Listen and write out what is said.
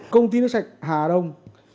công ty nước sạch hà đông